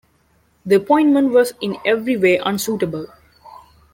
The appointment was in every way unsuitable.